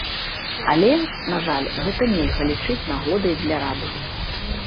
Але, на жаль, гэта нельга лічыць нагодай для радасці.